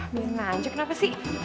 bisa aja kenapa sih